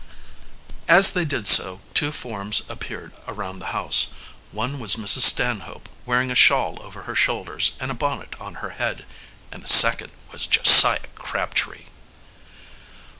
As they did so two forms appeared around the house. One was Mrs. Stanhope, wearing a shawl over her shoulders and a bonnet on her head, and the second was Josiah Crabtree!